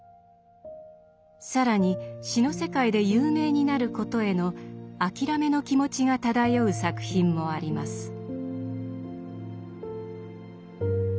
更に詩の世界で有名になることへの諦めの気持ちが漂う作品もあります。